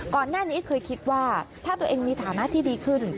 ก่อนหน้านี้เคยคิดว่าถ้าตัวเองมีฐานะที่ดีขึ้น